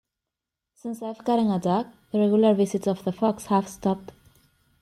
Since I've gotten a dog, the regular visits of the fox have stopped.